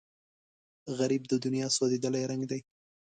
غریب د دنیا سوځېدلی رنګ دی